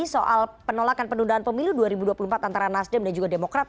soal penolakan penundaan pemilu dua ribu dua puluh empat antara nasdem dan juga demokrat